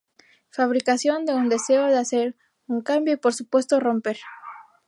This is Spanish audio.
Fabricación de un deseo, de hacer un cambio y, por supuesto, romper.